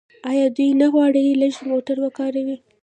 آیا دوی نه غواړي خلک لږ موټر وکاروي؟